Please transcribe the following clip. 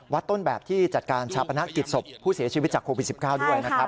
ต้นแบบที่จัดการชาปนกิจศพผู้เสียชีวิตจากโควิด๑๙ด้วยนะครับ